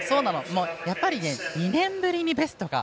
やっぱり２年ぶりにベストが。